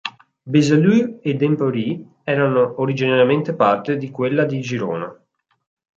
Besalú ed Empúries erano originariamente parte di quella di Girona.